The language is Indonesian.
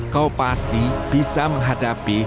kau pasti bisa menghadapiku